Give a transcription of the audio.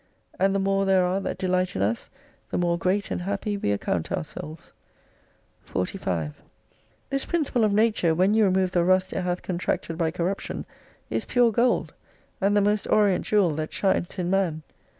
And the more there are that delight in us the more great and happy we account ourselves. 45 This principle of nature, when you remove the rust it hath contracted by corruption, is pure gold ; and the most orient jewel that shines in man.